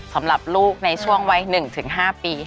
สำหรับลูกในช่วงวัย๑๕ปี